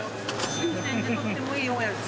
新鮮でとってもいいモヤシ。